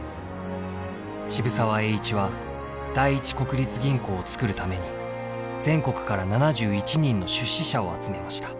渋沢栄一は第一国立銀行をつくるために全国から７１人の出資者を集めました。